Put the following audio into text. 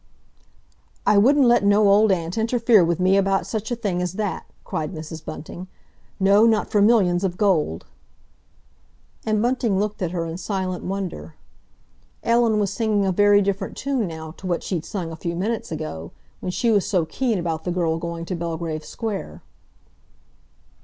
"I wouldn't let no old aunt interfere with me about such a thing as that!" cried Mrs. Bunting. "No, not for millions of gold!" And Bunting looked at her in silent wonder. Ellen was singing a very different tune now to what she'd sung a few minutes ago, when she was so keen about the girl going to Belgrave Square.